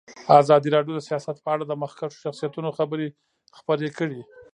ازادي راډیو د سیاست په اړه د مخکښو شخصیتونو خبرې خپرې کړي.